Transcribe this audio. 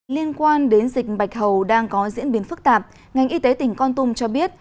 liên quan đến dịch bạch hầu đang có diễn biến phức tạp ngành y tế tỉnh con tum cho biết